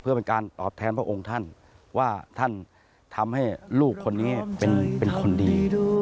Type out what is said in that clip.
เพื่อเป็นการตอบแทนพระองค์ท่านว่าท่านทำให้ลูกคนนี้เป็นคนดี